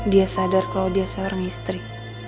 dia sadar kalau dia seorang istri